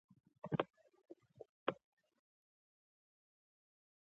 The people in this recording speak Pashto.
څو شېبې مو پکې تېرې کړې.